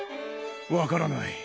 分からない